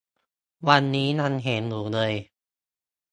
วันนี้ยังเห็นอยู่เลย